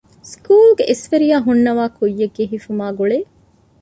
ސުކޫލްގެ އިސްވެރިޔާ ހުންނަވާގެ ކުއްޔަށް ހިފުމާއި ގުޅޭ